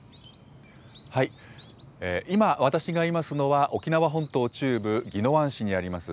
今、私がいますのは、沖縄本島中部、宜野湾市にあります